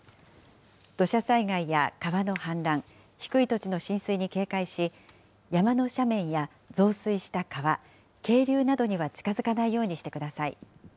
土砂災害や川の氾濫、低い土地の浸水に警戒し、山の斜面や増水した川、渓流などには近づかないようにしてください。